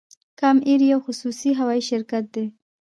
کام ایر یو خصوصي هوایی شرکت دی